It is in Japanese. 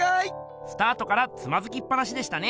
スタートからつまずきっぱなしでしたね。